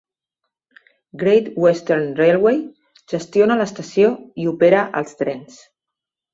Great Western Railway gestiona l'estació i opera els trens.